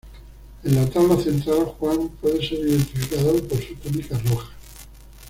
En la tabla central Juan puede ser identificado por su túnica roja.